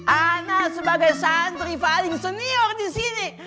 anda sebagai santri paling senior disini